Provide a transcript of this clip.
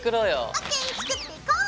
ＯＫ作っていこう！